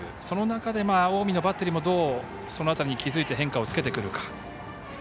その中で近江のバッテリーもその辺りに気付いて変化をつけてくるか。